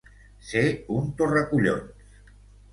Ser un torracollons.